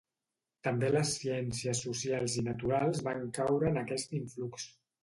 També les ciències socials i naturals van caure en aquest influx.